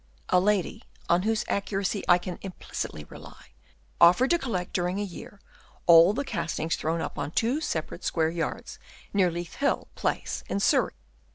A lady, on whose ac curacy I can implicitly rely, offered to collect 168 WEIGHT OF EAETH Chap. III. during a year all the castings thrown up on two separate square yards, near Leith Hill Place, in Surrey.